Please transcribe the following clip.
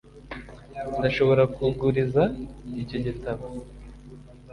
ndashobora kuguriza icyo gitabo.